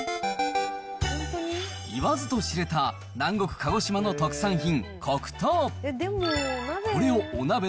言わずと知れた南国鹿児島の特産品、黒糖。